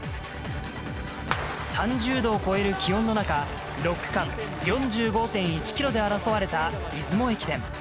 ３０度を超える気温の中、６区間、４５．１キロで争われた出雲駅伝。